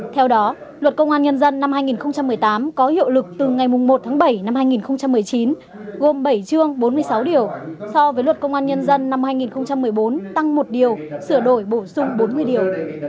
theo đó luật công an nhân dân năm hai nghìn một mươi tám có hiệu lực từ ngày một tháng bảy năm hai nghìn một mươi chín gồm bảy chương bốn mươi sáu điều so với luật công an nhân dân năm hai nghìn một mươi bốn tăng một điều sửa đổi bổ sung bốn mươi điều